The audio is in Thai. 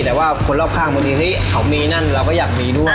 แต่ว่าคนรอบข้างบางทีเฮ้ยเขามีนั่นเราก็อยากมีด้วย